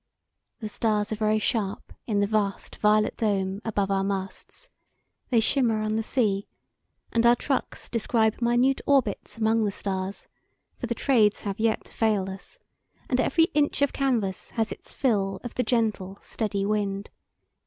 The stars are very sharp in the vast violet dome above our masts; they shimmer on the sea; and our trucks describe minute orbits among the stars, for the trades have yet to fail us, and every inch of canvas has its fill of the gentle steady wind.